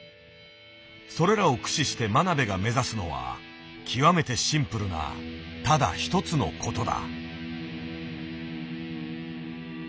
それらを駆使して真鍋が目指すのは極めてシンプルなただ一つの事だ。